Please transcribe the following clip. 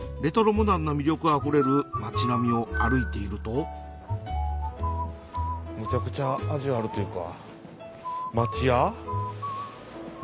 モダンな魅力あふれる街並みを歩いているとめちゃくちゃ味あるというか。